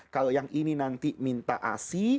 kalau yang ini nanti minta asi